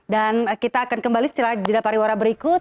dan kita akan kembali setelah di rapariwara berikut